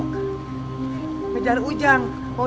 tidak ada yang tahu